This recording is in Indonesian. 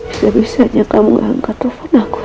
bisa bisanya kamu gak angkat telfon aku ya